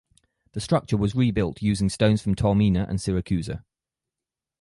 The structure was rebuilt using stones from Taormina and Siracusa.